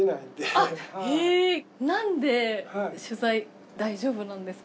何で取材大丈夫なんですか？